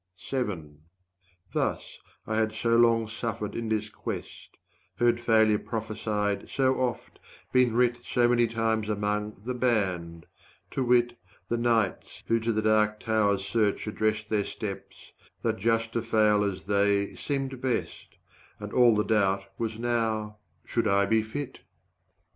Thus, I had so long suffered in this quest, Heard failure prophesied so oft, been writ So many times among "The Band" to wit, The knights who to the Dark Tower's search addressed 40 Their steps that just to fail as they, seemed best, And all the doubt was now should I be fit?